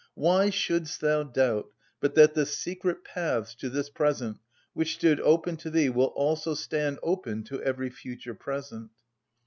Why shouldst thou doubt but that the secret paths to this present, which stood open to thee, will also stand open to every future present?"